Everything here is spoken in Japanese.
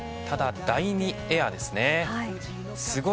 ただ第２エアです。